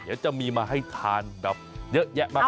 เดี๋ยวจะมีมาให้ทานแบบเยอะแยะมาก